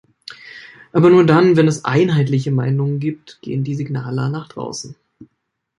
Aber nur dann, wenn es einheitliche Meinungen gibt, gehen die Signale nach draußen.